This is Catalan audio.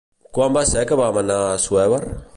Quan va ser que vam anar a Assuévar?